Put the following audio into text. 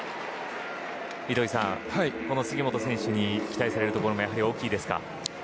糸井さん、この杉本選手に期待されるところもやはり大きいですか。